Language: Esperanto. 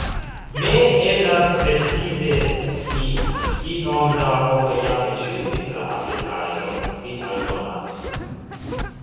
Ne eblas precize scii, kiom da homoj jam elŝutis la aplikaĵon, li aldonas.